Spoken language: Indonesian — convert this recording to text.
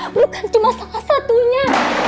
bukan cuma salah satunya